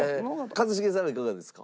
一茂さんはいかがですか？